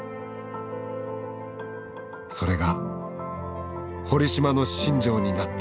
それが堀島の信条になった。